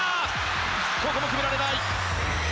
ここも決められない！